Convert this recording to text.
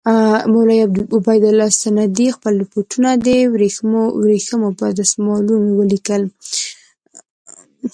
مولوي عبیدالله سندي خپل رپوټونه د ورېښمو پر دسمالونو ولیکل.